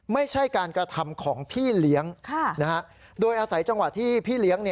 ไม่ใช่การกระทำของพี่เลี้ยงโดยอาศัยจังหวะที่พี่เลี้ยง